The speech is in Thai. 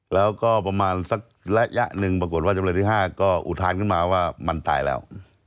แล้วก็ประมาณสักระยะหนึ่งปรากฏว่าจำเลยที่๕ก็อุทานขึ้นมาว่ามันตายแล้ว